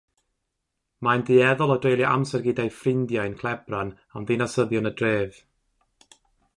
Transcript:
Mae'n dueddol o dreulio amser gyda'i ffrindiau'n clebran am ddinasyddion y dref.